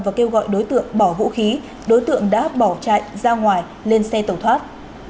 và kêu gọi đối tượng bỏ vũ khí đối tượng đã bỏ chạy ra ngoài lên xe tẩu thoát